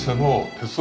鉄道？